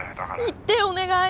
言ってお願い！